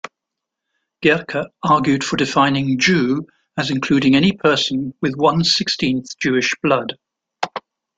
Gercke argued for defining "Jew" as including any person with one-sixteenth Jewish blood.